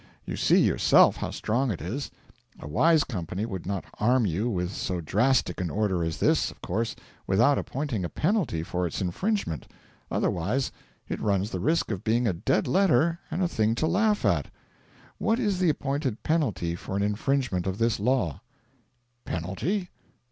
You see yourself how strong it is. A wise company would not arm you with so drastic an order as this, of course, without appointing a penalty for its infringement. Otherwise it runs the risk of being a dead letter and a thing to laugh at. What is the appointed penalty for an infringement of this law?' 'Penalty?